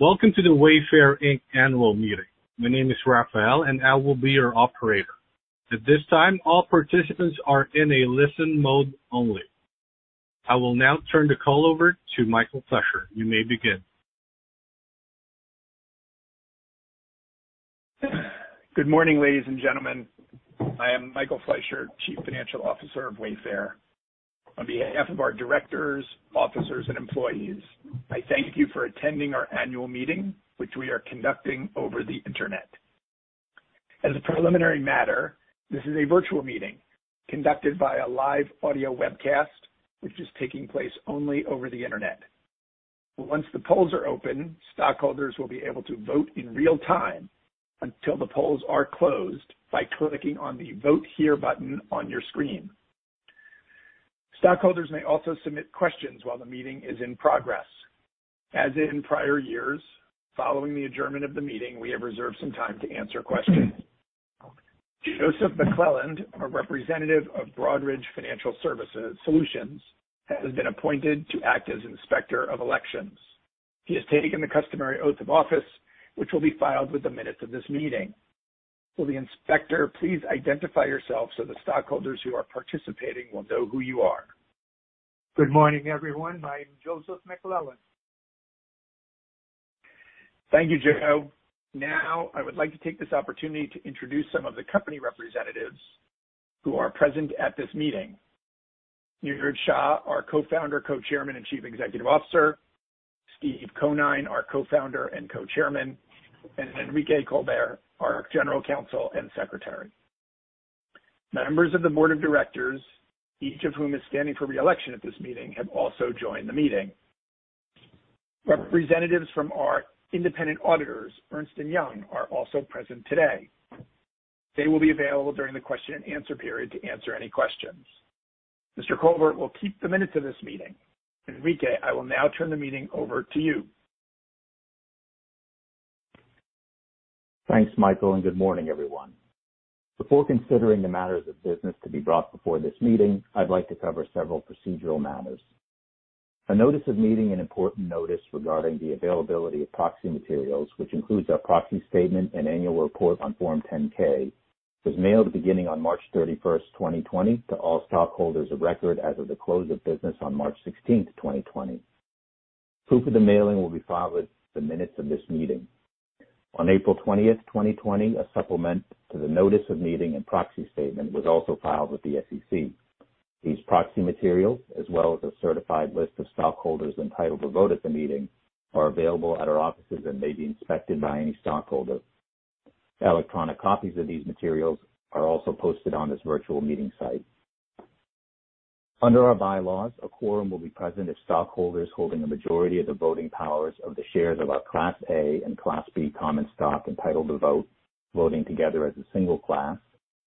Welcome to the Wayfair Inc. Annual Meeting. My name is Raphael, and I will be your operator. At this time, all participants are in a listen mode only. I will now turn the call over to Michael Fleisher. You may begin. Good morning, ladies and gentlemen. I am Michael Fleisher, Chief Financial Officer of Wayfair. On behalf of our directors, officers, and employees, I thank you for attending our annual meeting, which we are conducting over the internet. As a preliminary matter, this is a virtual meeting conducted by a live audio webcast, which is taking place only over the internet. Once the polls are open, stockholders will be able to vote in real time until the polls are closed by clicking on the Vote Here button on your screen. Stockholders may also submit questions while the meeting is in progress. As in prior years, following the adjournment of the meeting, we have reserved some time to answer questions. Joseph McClelland, a representative of Broadridge Financial Solutions, has been appointed to act as Inspector of Elections. He has taken the customary oath of office, which will be filed with the minutes of this meeting. Will the inspector please identify yourself so the stockholders who are participating will know who you are? Good morning, everyone. I'm Joseph McClelland. Thank you, Joe. Now, I would like to take this opportunity to introduce some of the company representatives who are present at this meeting. Niraj Shah, our Co-founder, Co-chairman, and Chief Executive Officer, Steve Conine, our Co-founder and Co-chairman, and Enrique Colbert, our General Counsel and Secretary. Members of the board of directors, each of whom is standing for re-election at this meeting, have also joined the meeting. Representatives from our independent auditors, Ernst & Young, are also present today. They will be available during the question-and-answer period to answer any questions. Mr. Colbert will keep the minutes of this meeting. Enrique, I will now turn the meeting over to you. Thanks, Michael, and good morning, everyone. Before considering the matters of business to be brought before this meeting, I'd like to cover several procedural matters. A notice of meeting and important notice regarding the availability of proxy materials, which includes our proxy statement and annual report on Form 10-K, was mailed beginning on March 31st, 2020, to all stockholders of record as of the close of business on March 16th, 2020. Proof of the mailing will be filed with the minutes of this meeting. On April 20th, 2020, a supplement to the notice of meeting and proxy statement was also filed with the SEC. These proxy materials, as well as a certified list of stockholders entitled to vote at the meeting, are available at our offices and may be inspected by any stockholder. Electronic copies of these materials are also posted on this virtual meeting site. Under our bylaws, a quorum will be present if stockholders holding a majority of the voting powers of the shares of our Class A and Class B common stock entitled to vote, voting together as a single class,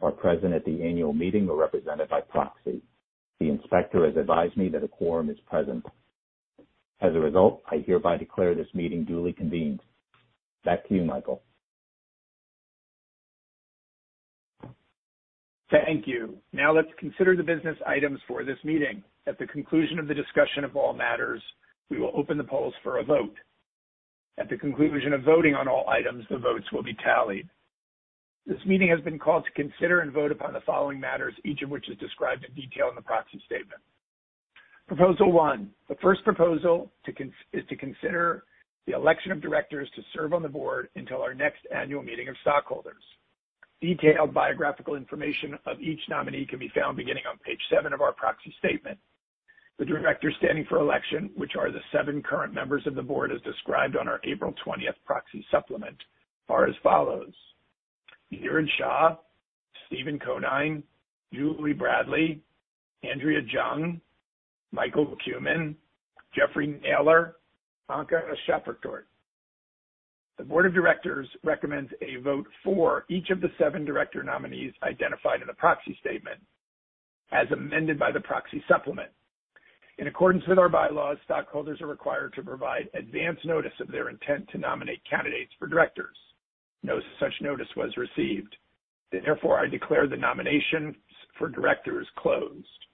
are present at the annual meeting or represented by proxy. The inspector has advised me that a quorum is present. As a result, I hereby declare this meeting duly convened. Back to you, Michael. Thank you. Now let's consider the business items for this meeting. At the conclusion of the discussion of all matters, we will open the polls for a vote. At the conclusion of voting on all items, the votes will be tallied. This meeting has been called to consider and vote upon the following matters, each of which is described in detail in the proxy statement. Proposal one, the first proposal is to consider the election of directors to serve on the board until our next annual meeting of stockholders. Detailed biographical information of each nominee can be found beginning on page seven of our proxy statement. The directors standing for election, which are the seven current members of the board as described on our April 20th proxy supplement, are as follows: Niraj Shah, Steve Conine, Julie Bradley, Andrea Jung, Michael Kumin, Jeffrey Naylor, Anke Schäferkordt. The board of directors recommends a vote for each of the seven director nominees identified in the proxy statement, as amended by the proxy supplement. In accordance with our bylaws, stockholders are required to provide advance notice of their intent to nominate candidates for directors. No such notice was received. Therefore, I declare the nominations for directors closed.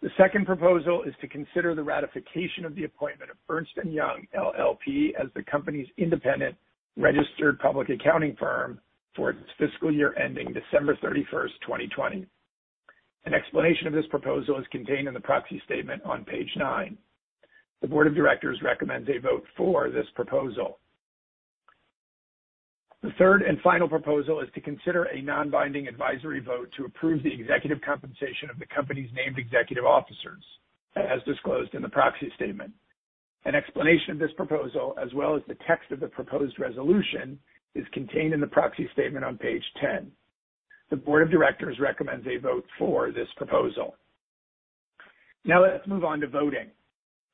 The second proposal is to consider the ratification of the appointment of Ernst & Young LLP as the company's independent registered public accounting firm for its fiscal year ending December 31st, 2020. An explanation of this proposal is contained in the proxy statement on page nine. The board of directors recommends a vote for this proposal. The third and final proposal is to consider a non-binding advisory vote to approve the executive compensation of the company's named executive officers, as disclosed in the proxy statement. An explanation of this proposal, as well as the text of the proposed resolution, is contained in the proxy statement on page 10. The board of directors recommends a vote for this proposal. Let's move on to voting.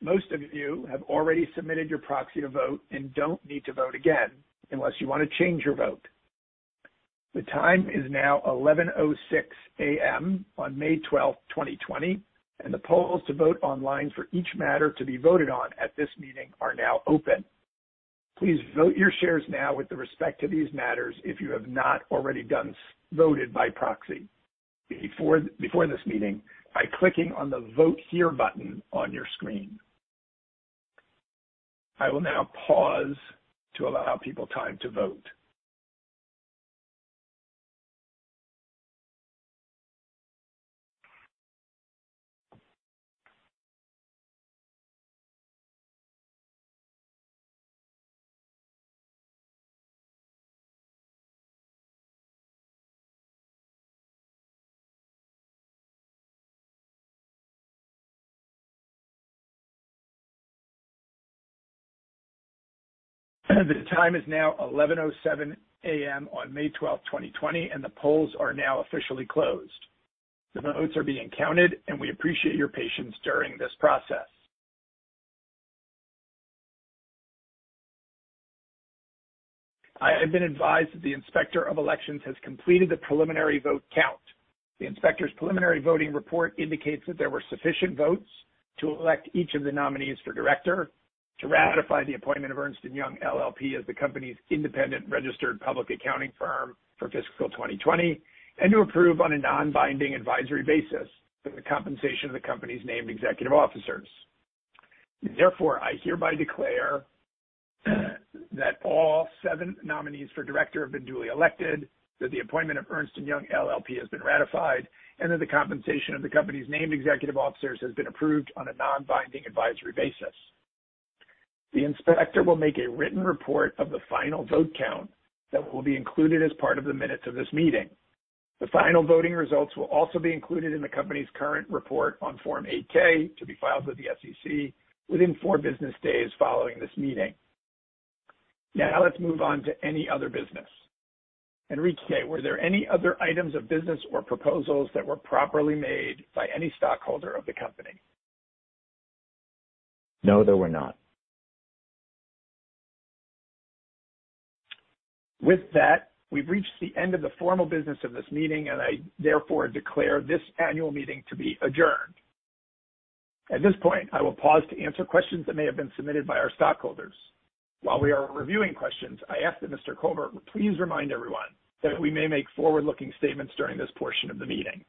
Most of you have already submitted your proxy to vote and don't need to vote again unless you want to change your vote. The time is now 11:06 AM on May 12th, 2020, and the polls to vote online for each matter to be voted on at this meeting are now open. Please vote your shares now with respect to these matters if you have not already voted by proxy before this meeting by clicking on the Vote Here button on your screen. I will now pause to allow people time to vote. The time is now 11:07 AM on May 12, 2020, and the polls are now officially closed. The votes are being counted, and we appreciate your patience during this process. I have been advised that the Inspector of Elections has completed the preliminary vote count. The inspector's preliminary voting report indicates that there were sufficient votes to elect each of the nominees for director, to ratify the appointment of Ernst & Young LLP as the company's independent registered public accounting firm for fiscal 2020, and to approve on a non-binding advisory basis the compensation of the company's named executive officers. Therefore, I hereby declare that all seven nominees for director have been duly elected, that the appointment of Ernst & Young LLP has been ratified, and that the compensation of the company's named executive officers has been approved on a non-binding advisory basis. The inspector will make a written report of the final vote count that will be included as part of the minutes of this meeting. The final voting results will also be included in the company's current report on Form 8-K, to be filed with the SEC within four business days following this meeting. Let's move on to any other business. Enrique, were there any other items of business or proposals that were properly made by any stockholder of the company? No, there were not. With that, we've reached the end of the formal business of this meeting, I therefore declare this annual meeting to be adjourned. At this point, I will pause to answer questions that may have been submitted by our stockholders. While we are reviewing questions, I ask that Mr. Colbert please remind everyone that we may make forward-looking statements during this portion of the meeting.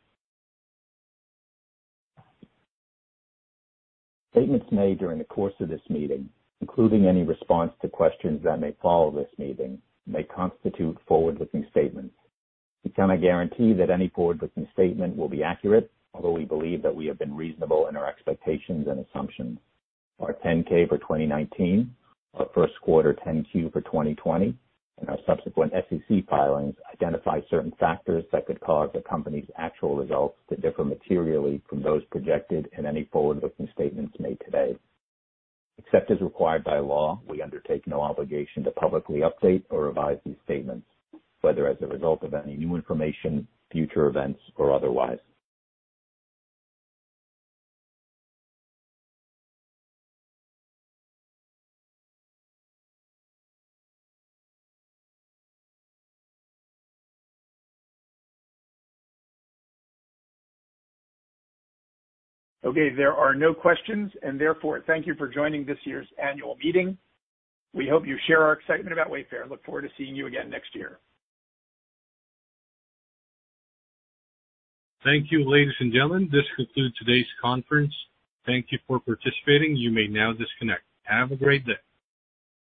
Statements made during the course of this meeting, including any response to questions that may follow this meeting, may constitute forward-looking statements. We cannot guarantee that any forward-looking statement will be accurate, although we believe that we have been reasonable in our expectations and assumptions. Our 10-K for 2019, our first quarter 10-Q for 2020, and our subsequent SEC filings identify certain factors that could cause the company's actual results to differ materially from those projected in any forward-looking statements made today. Except as required by law, we undertake no obligation to publicly update or revise these statements, whether as a result of any new information, future events, or otherwise. Okay, there are no questions, therefore, thank you for joining this year's annual meeting. We hope you share our excitement about Wayfair. Look forward to seeing you again next year. Thank you, ladies and gentlemen. This concludes today's conference. Thank you for participating. You may now disconnect. Have a great day.